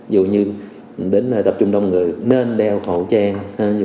dù như đến tập trung đông người nên đeo khẩu trang